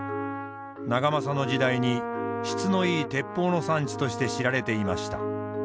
長政の時代に質のいい鉄砲の産地として知られていました。